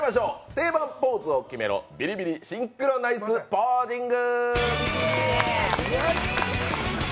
定番ポーズを決めろ、「ビリビリシンクロナイスポージング」。